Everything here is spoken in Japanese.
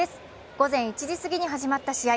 午前１時すぎに始まった試合。